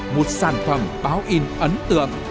một sản phẩm báo in ấn tượng